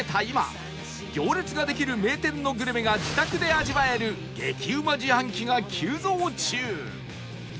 今行列ができる名店のグルメが自宅で味わえる激うま自販機が急増中！